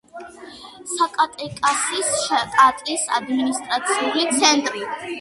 საკატეკასის შტატის ადმინისტრაციული ცენტრი.